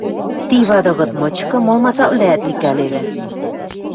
Ти вады кыт мычкы мол масаквлӓӓт ликӓлевӹ.